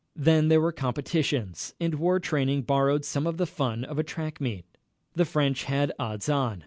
Then there were competitions, and war training borrowed some of the fun of a track meet. The French had odds on.